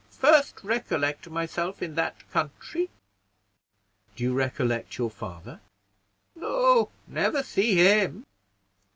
First recollect myself in that country." "Do you recollect your father?" "No; never see him."